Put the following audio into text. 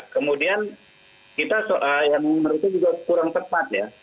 kemudian kita yang mengumur itu juga kurang tepat ya